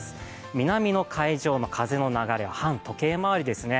南の海上の風の流れ反時計回りですね。